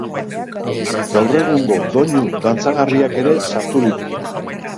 Gaur egungo doinu dantzagarriak ere sartu ditut.